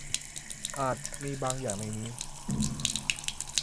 อาจมีบางอย่างในนี้